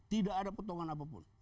tidak ada potongan apapun